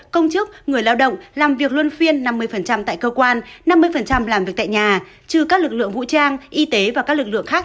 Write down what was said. công chức người lao động làm việc luân phiên năm mươi tại cơ quan năm mươi làm việc tại nhà trừ các lực lượng vũ trang y tế và các lực lượng khác